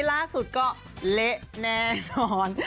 ล่าสุดก็เละแน่นอน